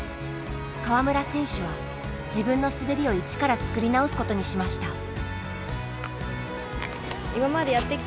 川村選手は自分の滑りを一から作り直すことにしました。